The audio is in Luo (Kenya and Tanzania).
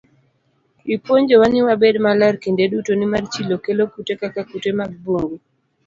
Ipuonjowa ni wabed maler kinde duto, nimar chilo kelo kute kaka kute mag bungu.